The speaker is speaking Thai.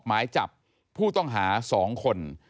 หมายจับผู้ต้องหา๒คน